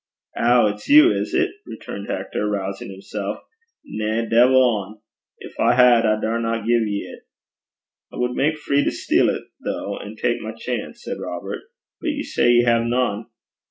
'Ow! it's you, is 't?' returned Hector, rousing himself. 'Na. Deil ane. An' gin I had, I daurna gie ye 't.' 'I wad mak free to steal 't, though, an' tak my chance,' said Robert. 'But ye say ye hae nane?'